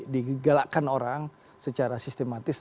digelakkan orang secara sistematis